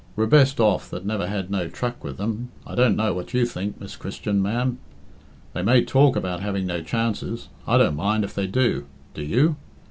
We're best off that never had no truck with them I don't know what you think, Miss Christian, ma'am. They may talk about having no chances I don't mind if they do do you?